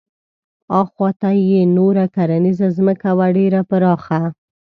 اخواته یې نوره کرنیزه ځمکه وه ډېره پراخه.